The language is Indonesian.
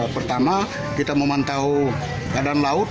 pertama kita memantau keadaan laut